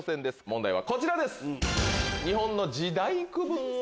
問題はこちらです！